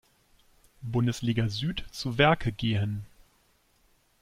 Bundesliga Süd zu Werke gehen.